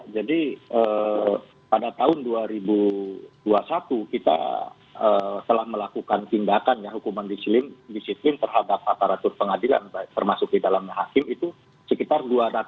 jadi pada tahun dua ribu dua puluh satu kita telah melakukan tindakan hukuman disitim terhadap aparatur pengadilan termasuk di dalamnya hakim itu sekitar dua ratus delapan puluh empat